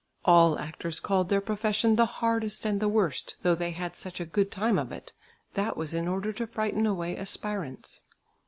All actors called their profession the "hardest and the worst" though they had such a good time of it. That was in order to frighten away aspirants.